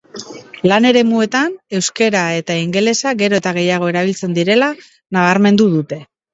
Lan-eremuetan euskara eta ingelesa gero eta gehiago erabiltzen direla nabarmendu dute